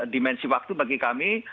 dimensi waktu bagi kami